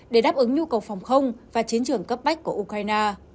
để đáp ứng nhu cầu phòng không và chiến trường cấp bách của ukraine